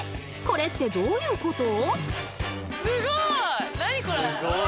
これってどういうこと？